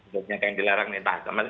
dinyatakan dilarang ini